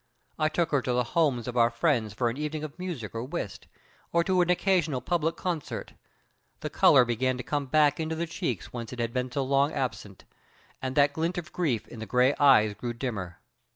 I took her to the homes of our friends for an evening of music or whist, or to an occasional public concert. The color began to come back into the cheeks whence it had been so long absent, and that glint of grief in the gray eyes grew dimmer.